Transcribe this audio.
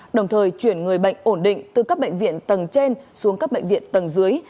đồng thời chuyển người bệnh ổn định từ các bệnh viện tầng trên xuống các bệnh viện tầng dưới